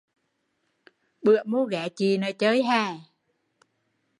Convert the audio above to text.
Bữa mô ghé chị nớ chơi